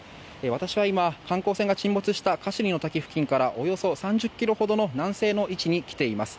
私は今、観光船が沈没したカシュニの滝付近からおよそ３０ｋｍほどの南西の位置に来ています。